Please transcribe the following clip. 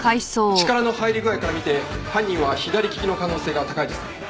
力の入り具合から見て犯人は左利きの可能性が高いですね。